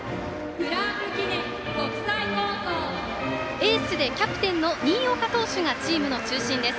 エースでキャプテンの新岡投手がチームの中心です。